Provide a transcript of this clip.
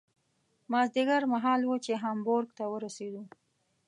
مازدیګر مهال و چې هامبورګ ته ورسېدو.